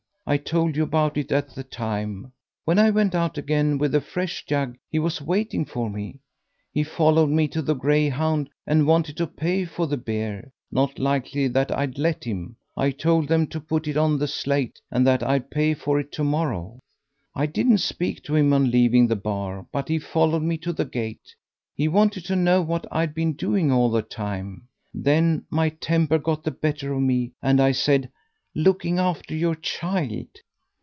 I told you about it at the time. When I went out again with a fresh jug he was waiting for me, he followed me to the 'Greyhound' and wanted to pay for the beer not likely that I'd let him; I told them to put it on the slate, and that I'd pay for it to morrow. I didn't speak to him on leaving the bar, but he followed me to the gate. He wanted to know what I'd been doing all the time. Then my temper got the better of me, and I said, 'Looking after your child.'